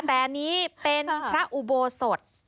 แต่อันนี้เป็นพระอุโบสถ